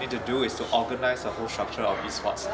kita harus mengorganisasi struktur seluruh esports